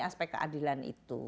aspek keadilan itu